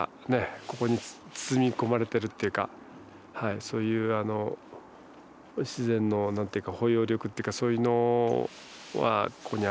ここに包み込まれてるっていうかそういう自然の包容力っていうかそういうのはここにあると思いますね。